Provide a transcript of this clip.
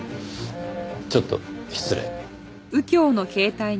ちょっと失礼。